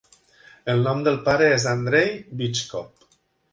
El nom del pare és Andrey Bychkov.